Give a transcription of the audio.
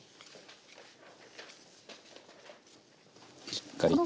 しっかりと。